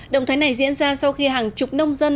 động thái này diễn ra sau khi hàng chục nông dân